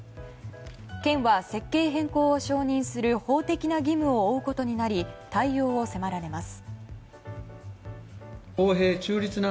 県は設計変更を承認する法的な義務を負うことになり対応を迫られます。